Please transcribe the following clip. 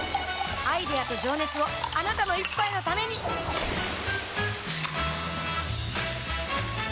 アイデアと情熱をあなたの一杯のためにプシュッ！